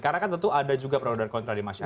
karena kan tentu ada juga peraduan kontra di masyarakat